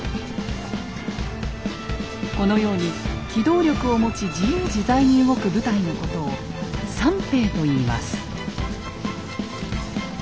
このように機動力を持ち自由自在に動く部隊のことを「散兵」と言います。